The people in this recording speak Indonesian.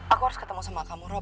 aku harus ketemu sama kamu rob